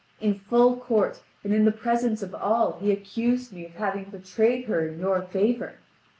In full court and in the presence of all he accused me of having betrayed her in your favour.